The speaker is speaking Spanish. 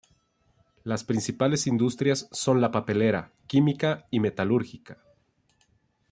Las principales industrias son la papelera, química y metalúrgica.